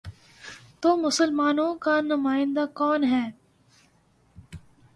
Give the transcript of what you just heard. تو مسلمانوں کا نمائندہ کون ہے؟